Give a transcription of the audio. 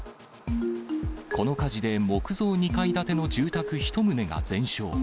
この火事で木造２階建ての住宅１棟が全焼。